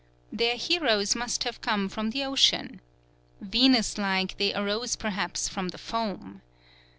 Their heroes must have come from the Ocean. Venus like, they arose perhaps from the foam.